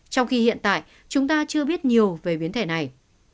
trong khi hiện tại chúng ta chưa biết nhiều về biến thể này